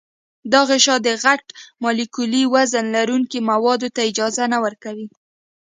دا غشا د غټ مالیکولي وزن لرونکو موادو ته اجازه نه ورکوي.